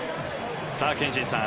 憲伸さん